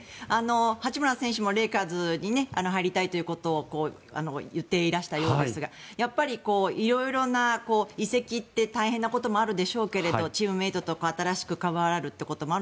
八村選手もレイカーズに入りたいということを言っていらしたようですがやっぱり色々な、移籍って大変なこともあるでしょうけれどチームメートとか新しく関わるということもある